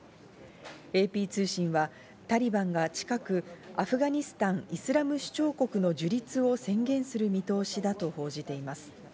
ＡＰ通信はタリバンが近く、アフガニスタン・イスラム首長国の樹立を宣言する見通しだと報じています。